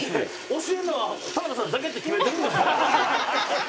教えるのは田辺さんだけって決めてるんですか？